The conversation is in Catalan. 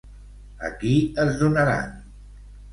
A qui es donaran?